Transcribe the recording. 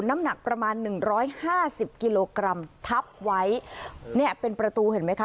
น้ำหนักประมาณ๑๕๐กิโลกรัมทับไว้เป็นประตูเห็นไหมคะ